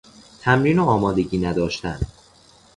تمرین و آمادگی نداشتن